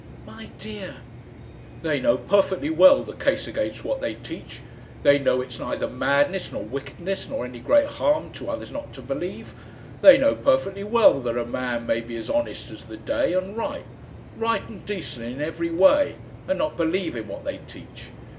"My dear!" "They know perfectly well the case against what they teach, they know it's neither madness nor wickedness nor any great harm, to others not to believe, they know perfectly well that a man may be as honest as the day, and right right and decent in every way and not believe in what they teach.